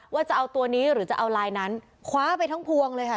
ว่าจะเอาตัวนี้หรือจะเอาลายนั้นคว้าไปทั้งพวงเลยค่ะ